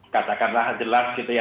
katakanlah jelas gitu ya